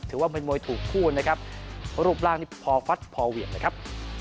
ถือว่าเป็นมวยถูกคู่นะครับรูปร่างนี่พอฟัดพอเหวี่ยงเลยครับ